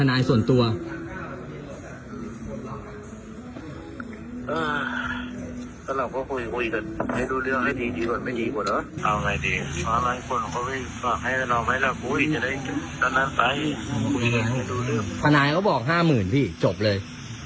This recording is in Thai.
คุยกันให้ดูเรื่องพนัยเขาบอกห้าหมื่นพี่จบเลย